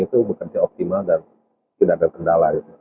itu bekerja optimal dan tidak ada kendala